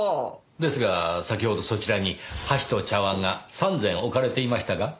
ですが先ほどそちらに箸と茶碗が３膳置かれていましたが。